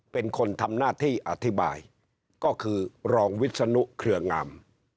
เป็นคนทำหน้าที่อธิบายก็คือรองวิศนุเครืองาม